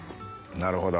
なるほど。